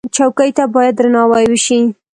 چوکۍ ته باید درناوی وشي.